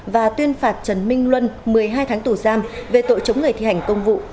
và tuyên phạt trần minh luân một mươi hai tháng tù giam về tội chống người thi hành công vụ